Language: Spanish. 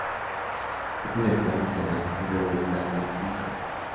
Es el actual entrenador de la Universidad de Missouri.